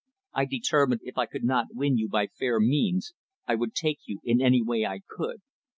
I determined if I could not win you by fair means, I would take you in any way I could.